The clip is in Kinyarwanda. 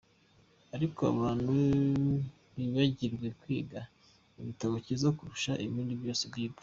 Ariko abantu bibagirwa kwiga igitabo cyiza kurusha ibindi byose:Bible.